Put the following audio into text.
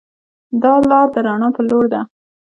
دا لار د رڼا پر لور ده.